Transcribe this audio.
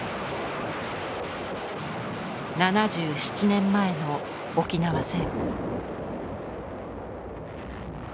７７年前の沖縄戦。